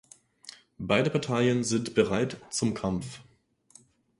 Beide Parteien sind bereit zum Kampf.